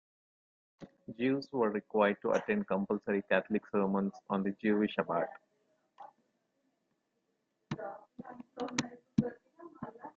Jews were required to attend compulsory Catholic sermons on the Jewish "shabbat".